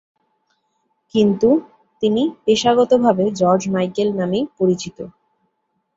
কিন্তু তিনি পেশাগতভাবে George Michael নামেই পরিচিত।